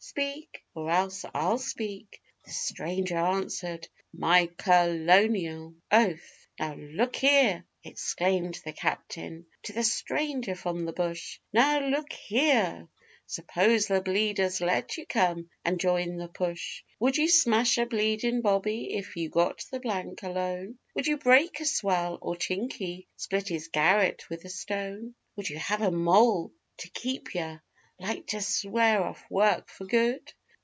Speak? or else I'll SPEAK!' The stranger answered, 'My kerlonial oath!' 'Now, look here,' exclamed the captain to the stranger from the bush, 'Now, look here suppose the Bleeders let you come and join the push, Would you smash a bleedin' bobby if you got the blank alone? Would you break a swell or Chinkie split his garret with a stone? Would you have a "moll" to keep yer like to swear off work for good?